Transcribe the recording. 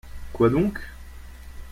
Quoi donc ?